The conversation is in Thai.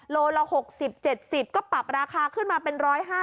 โลละ๖๐๗๐ก็ปรับราคาขึ้นมาเป็น๑๕๐